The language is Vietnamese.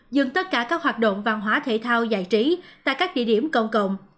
dừng tất cả các hoạt động văn hóa thể thao giải trí tại các địa điểm công cộng